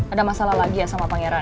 ada masalah lagi ya sama pangeran